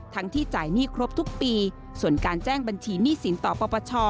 ที่จ่ายหนี้ครบทุกปีส่วนการแจ้งบัญชีหนี้สินต่อปปช